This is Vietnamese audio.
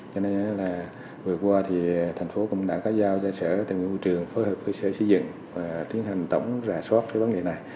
cho nên vừa qua thành phố cũng đã có giao cho sở tài nguyên và môi trường phối hợp với sở xây dựng và tiến hành tổng rà soát vấn đề này